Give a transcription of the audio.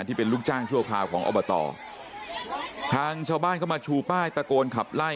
ที่เป็นลูกจ้างชั่วคราวของอบตทางชาวบ้านเข้ามาชูป้ายตะโกนขับไล่